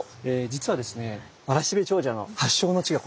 実はですね「わらしべ長者」の発祥の地が。